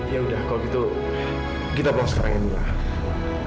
ya udah kalau gitu kita pulang sekarang ya mbak